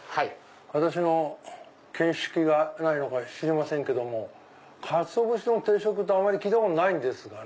私の見識がないのか知りませんけどもかつお節の定食ってあんまり聞いたことないんですがね。